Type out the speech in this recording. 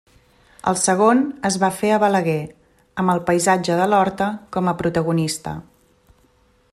El segon es va fer a Balaguer, amb el paisatge de l'horta com a protagonista.